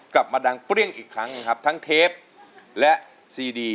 กลับมาดังเปรี้ยงอีกครั้งนะครับทั้งเทปและซีดี